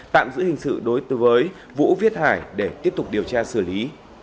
tạm giữ hình sự đối tư với vũ viết hải để tiếp tục điều tra xử lý